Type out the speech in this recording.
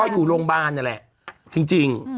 อยู่โรงพยาบาลนั่นแหละจริง